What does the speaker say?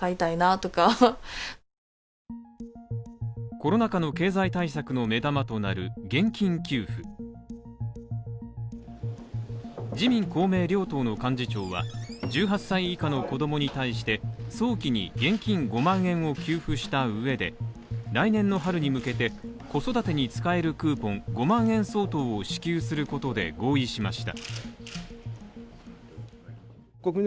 コロナ禍の経済対策の目玉となる現金給付、自民公明両党の幹事長は１８歳以下の子供に対して早期に現金５万円を給付した上で、来年の春に向けて、子育てに使えるクーポン５万円相当を支給することで合意しました。